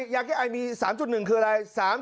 ยาแก้ไอมี๓๑คืออะไร